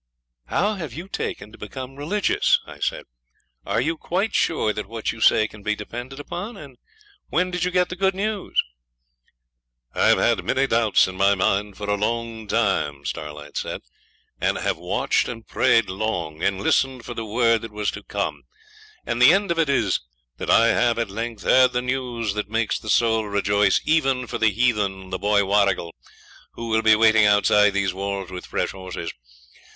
'How have you taken to become religious?' I said. 'Are you quite sure that what you say can be depended upon? And when did you get the good news?' 'I have had many doubts in my mind for a long time,' he said, 'and have watched and prayed long, and listened for the word that was to come; and the end of it is that I have at length heard the news that makes the soul rejoice, even for the heathen, the boy Warrigal, who will be waiting outside these walls with fresh horses.